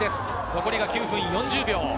残り９分４０秒。